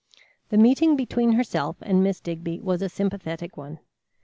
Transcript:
The meeting between herself and Miss Digby was a sympathetic one.